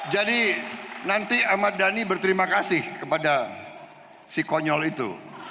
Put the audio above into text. jadi nanti ahmad dhani berterima kasih kepada si konyol itu